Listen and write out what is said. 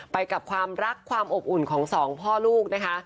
ไปกับความรักความอบอุ่นของสองพ่อลูกนะคะ